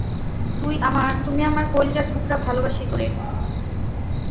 তুমি আমার কইলজার টুকরা ভালোবাসি তোরে।